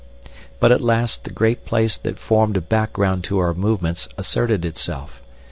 But at last the great place that formed a background to our movements asserted itself.